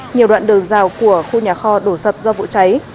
nhiều đoạn đường rào của khu nhà kho đổ sập do vụ cháy